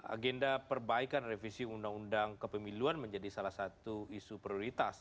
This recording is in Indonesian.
agenda perbaikan revisi undang undang kepemiluan menjadi salah satu isu prioritas